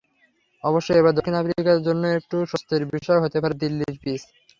অবশ্য এবার দক্ষিণ আফ্রিকার জন্য একটু স্বস্তির বিষয় হতে পারে দিল্লির পিচ।